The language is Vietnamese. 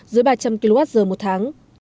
dưới ba trăm linh kwh một tháng